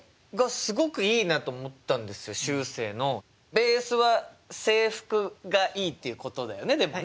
ベースは制服がいいっていうことだよねでもね。